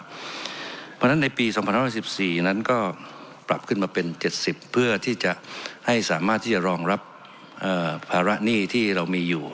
เพราะฉะนั้นในปี๒๐๑๔นั้นก็ปรับขึ้นมาเป็น๗๐เพื่อที่จะให้สามารถที่จะรองรับภาระหนี้ที่เรามีอยู่